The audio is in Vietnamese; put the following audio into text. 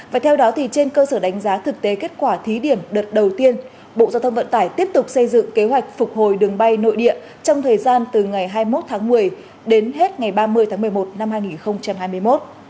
và theo đó trên cơ sở đánh giá thực tế kết quả thí điểm đợt đầu tiên bộ giao thông vận tải tiếp tục xây dựng kế hoạch phục hồi đường bay nội địa trong thời gian từ ngày hai mươi một tháng một mươi đến hết ngày ba mươi tháng một mươi một năm hai nghìn hai mươi một